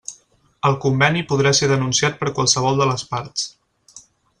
El conveni podrà ser denunciat per qualsevol de les parts.